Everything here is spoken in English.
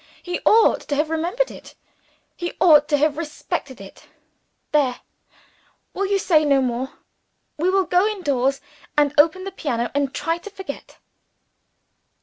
He ought to have remembered it, he ought to have respected it. There! we will say no more. We will go indoors and open the piano and try to forget."